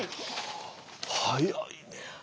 早いね。